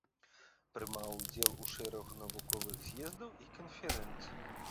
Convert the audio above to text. Прымаў удзел у шэрагу навуковых з'ездаў і канферэнцый.